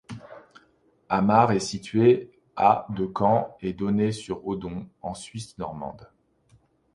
Hamars est située à de Caen et d'Aunay-sur-Odon, en Suisse normande.